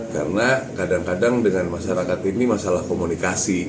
karena kadang kadang dengan masyarakat ini masalah komunikasi